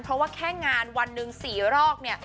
เพราะว่าแค่งานวันหนึ่ง๔รอบเนี่ย